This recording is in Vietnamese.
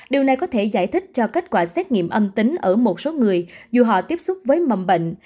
điều này có thể giải thích cho kết quả xét nghiệm âm tính ở một số người dù họ tiếp xúc với mầm bệnh